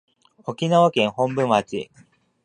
沖縄県本部町